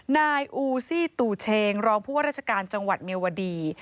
นายอูซี่ตู่เชงรองผู้ว่าราชการจังหวัดเมียวดี